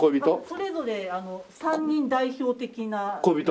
それぞれ３人代表的な。恋人？